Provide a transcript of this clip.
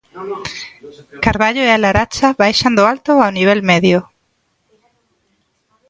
Carballo e A Laracha baixan do alto ao nivel medio.